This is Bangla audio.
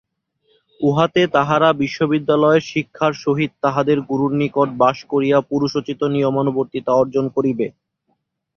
উহাতে তাহারা বিশ্ববিদ্যালয়ের শিক্ষার সহিত তাহাদের গুরুর নিকট বাস করিয়া পুরুষোচিত নিয়মানুবর্তিতা অর্জন করিবে।